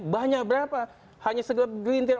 banyak berapa hanya segelintir